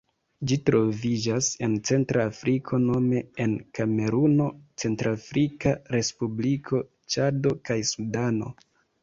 Ĝi troviĝas en centra Afriko nome en Kameruno, Centrafrika Respubliko, Ĉado kaj Sudano.